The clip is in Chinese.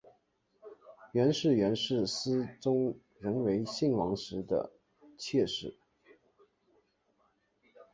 袁氏原是思宗仍为信王时的妾室。